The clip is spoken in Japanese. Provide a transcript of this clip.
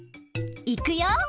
いくよ！